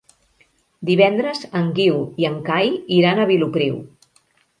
Divendres en Guiu i en Cai iran a Vilopriu.